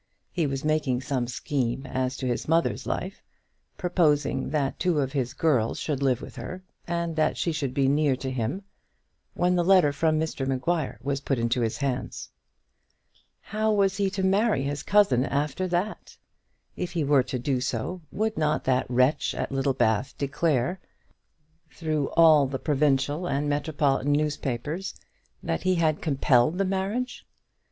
He was making some scheme as to his mother's life, proposing that two of his girls should live with her, and that she should be near to him, when the letter from Mr Maguire was put into his hands. How was he to marry his cousin after that? If he were to do so, would not that wretch at Littlebath declare, through all the provincial and metropolitan newspapers, that he had compelled the marriage?